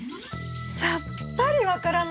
さっぱり分からないです。